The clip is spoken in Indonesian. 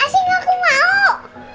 asyik nggak aku mau